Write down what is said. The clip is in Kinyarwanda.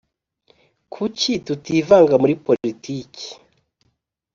Kuki tutivanga muri politiki?